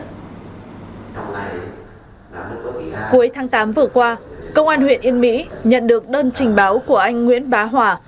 cuối tháng tám vừa qua công an huyện yên mỹ nhận được đơn trình báo của anh nguyễn bá hòa